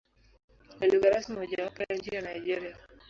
Ni lugha rasmi mojawapo ya nchi ya Nigeria.